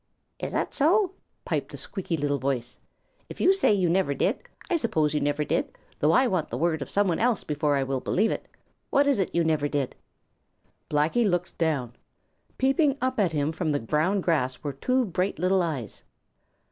"Is that so?" piped a squeaky little voice. "If you say you never did, I suppose you never did, though I want the word of some one else before I will believe it. What is it you never did?" Blacky looked down. Peeping up at him from the brown grass were two bright little eyes.